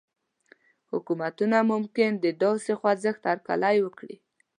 حکومتونه ممکن د داسې خوځښت هرکلی وکړي.